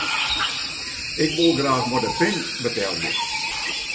Ik wol graach mei de pin betelje.